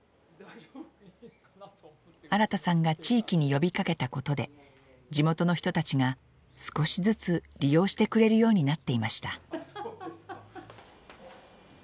新さんが地域に呼びかけたことで地元の人たちが少しずつ利用してくれるようになっていました。